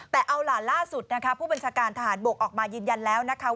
แต่เอาล่ะล่าสุดนะคะผู้บัญชาการทหารบกออกมายืนยันแล้วนะคะ